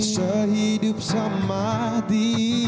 sehidup sama hati